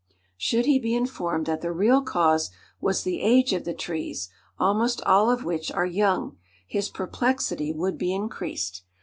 Should he be informed that the real cause was the age of the trees, almost all of which are young, his perplexity would be increased.